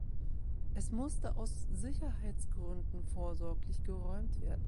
Es musste aus Sicherheitsgründen vorsorglich geräumt werden.